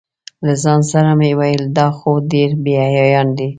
له ځان سره مې ویل دا خو ډېر بې حیایان دي.